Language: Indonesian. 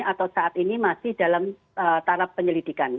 atau saat ini masih dalam tahap penyelidikan